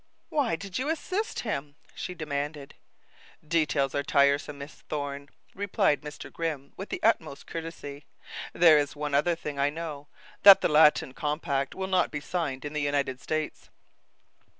"Why did you assist him?" she demanded. "Details are tiresome, Miss Thorne," replied Mr. Grimm with the utmost courtesy. "There is one other thing I know that the Latin compact will not be signed in the United States."